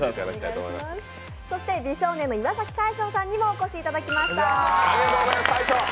美少年の岩崎大昇さんにもお越しいただきました。